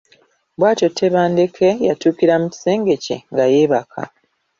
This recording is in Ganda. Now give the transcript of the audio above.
Bw’atyo Tebandeke yatuukira mu kisenge kye nga yeebaka.